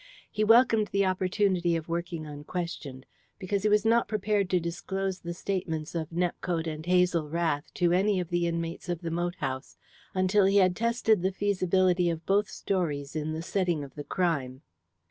He welcomed the opportunity of working unquestioned, because he was not prepared to disclose the statements of Nepcote and Hazel Rath to any of the inmates of the moat house until he had tested the feasibility of both stories in the setting of the crime.